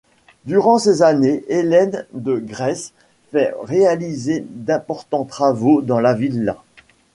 Durant ces années, Hélène de Grèce fait réaliser d'importants travaux dans la villa.